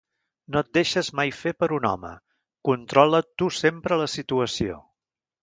No et deixes mai fer per un home, controla tu sempre la situació.